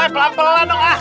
pelan pelan dong ah